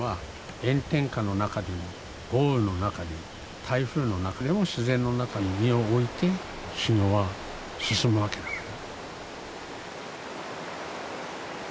炎天下の中でも豪雨の中でも台風の中でも自然の中に身を置いて修行は進むわけだから。